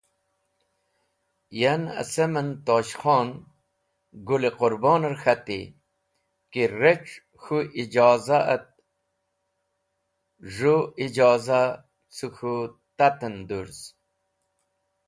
Yan acem en Posh Khon Gũl-e Qũrboner k̃hati ki rec̃h k̃hũ ijoza et z̃hũ ijoza cẽ k̃hũ tat en dũrz.